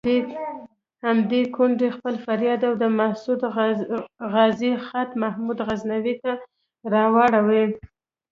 همدې کونډې خپل فریاد او د مسعود غازي خط محمود غزنوي ته راوړی.